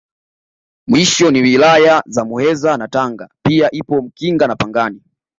Mwisho ni Wilaya za Muheza na Tanga pia ipo Mkinga na Pangani